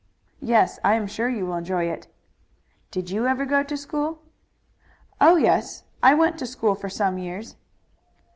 "Yes, I am sure you will enjoy it." "Did you ever go to school?" "Oh, yes; I went to school for some years."